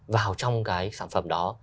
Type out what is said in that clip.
vào trong cái sản phẩm đó